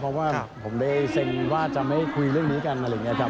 เพราะว่าผมได้เซ็นว่าจะไม่คุยเรื่องนี้กันอะไรอย่างนี้ครับ